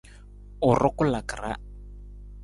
U rukulaka ra.